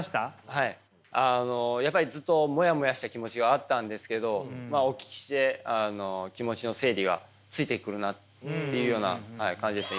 はいあのやっぱりずっとモヤモヤした気持ちがあったんですけどお聞きして気持ちの整理がついてくるなというような感じですね